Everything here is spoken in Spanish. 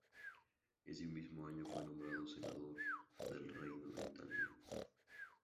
Ese mismo año fue nombrado senador del reino de Italia.